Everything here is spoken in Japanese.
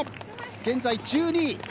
現在１２位。